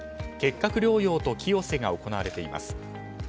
「結核療養と清瀬」が行われています。